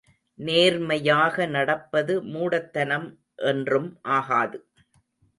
நேர்மையாக நடப்பது மூடத்தனம் என்றும் ஆகாது.